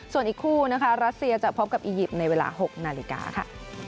ส่วนอีกคู่นะคะรัสเซียจะพบกับอียิปต์ในเวลา๖นาฬิกาค่ะ